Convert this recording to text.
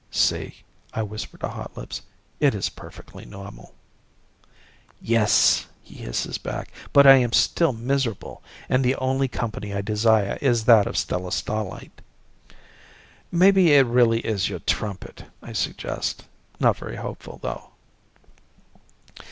"See," I whisper to Hotlips, "it is perfectly normal." "Yes," he hisses back. "But I am still miserable, and the only company I desire is that of Stella Starlight." "Maybe it really is your trumpet," I suggest, not very hopeful, though.